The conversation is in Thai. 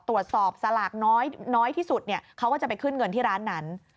สลากน้อยที่สุดเขาก็จะไปขึ้นเงินที่ร้านนั้น